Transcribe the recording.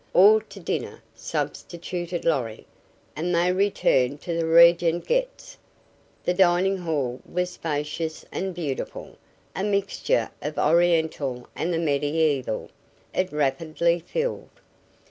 "Or to dinner," substituted Lorry, and they returned to the Regengetx. The dining hall was spacious and beautiful, a mixture of the oriental and the mediaeval. It rapidly filled.